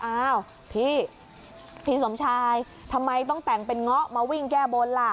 อ้าวพี่พี่สมชายทำไมต้องแต่งเป็นเงาะมาวิ่งแก้บนล่ะ